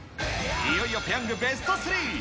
いよいよペヤングベスト３。